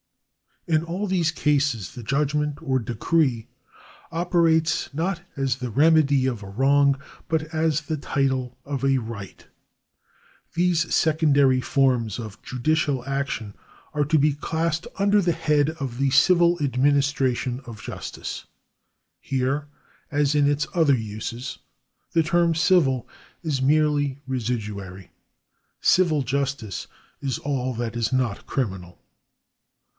In all these cases the judgment or decree operates not as the remedy of a wrong, but as the title of a right. These secondary forms of judicial action are to be classed under the head of the civil administration of justice. Here, as in its other uses, the term civil is merely residuary ; civil justice is all that is not criminal.